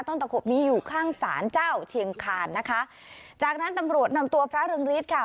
ตะขบนี้อยู่ข้างศาลเจ้าเชียงคานนะคะจากนั้นตำรวจนำตัวพระเรืองฤทธิ์ค่ะ